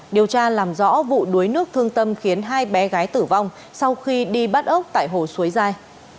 điều tra làm rõ vụ đuối nước thương tâm khiến hai bé gái tử vong sau khi đi bắt ốc tại hồ suối giai